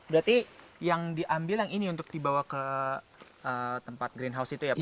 berarti yang diambil yang ini untuk dibawa ke tempat greenhouse itu ya pak